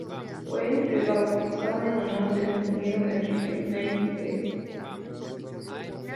Fue rebautizada en honor del ingeniero Enrique Meiggs.